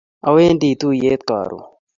awendi tuyiet karon